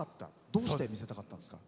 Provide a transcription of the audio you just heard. どうして見せたかったんですか？